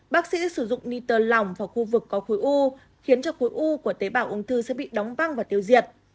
bác sĩ sử dụng niter lòng vào khu vực có khối u khiến cho khối u của tế bào ung thư sẽ bị đóng băng và tiêu diệt